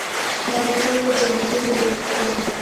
ما وتا ته جنتونه دي غوښتلي